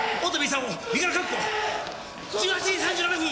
１８時３７分